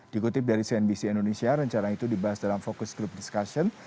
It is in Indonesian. dikutip dari cnbc indonesia rencana itu dibahas dalam fokus group discussion